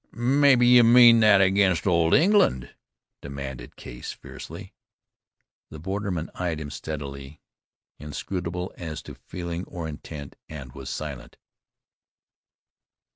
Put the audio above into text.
"Maybe you mean that against old England?" demanded Case fiercely. The borderman eyed him steadily, inscrutable as to feeling or intent, and was silent.